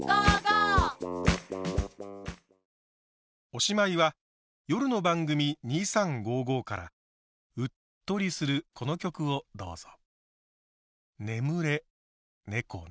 おしまいは夜の番組「２３５５」からうっとりするこの曲をどうぞ。